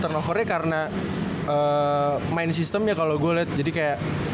turnovernya karena main systemnya kalau gue liat jadi kayak